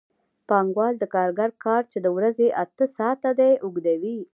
پانګوال د کارګر کار چې د ورځې اته ساعته دی اوږدوي